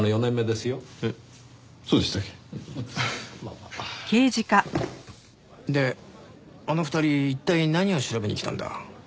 であの２人一体何を調べに来たんだ？